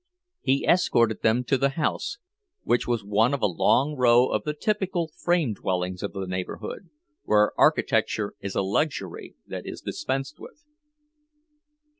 He escorted them to the house, which was one of a long row of the typical frame dwellings of the neighborhood, where architecture is a luxury that is dispensed with.